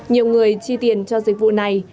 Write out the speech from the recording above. nhiều người chi tiền cho dịch vụ này